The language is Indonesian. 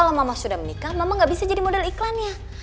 kalau mama sudah menikah mama gak bisa jadi model iklannya